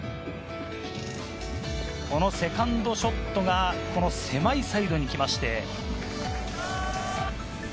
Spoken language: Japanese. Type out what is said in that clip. このセカンドショットが狭いサイドにきまして。